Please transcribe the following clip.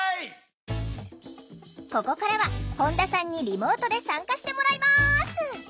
ここからは本田さんにリモートで参加してもらいます。